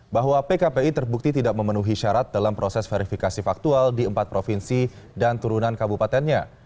bahwa pkpi terbukti tidak memenuhi syarat dalam proses verifikasi faktual di empat provinsi dan turunan kabupatennya